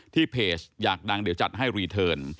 เพจอยากดังเดี๋ยวจัดให้รีเทิร์น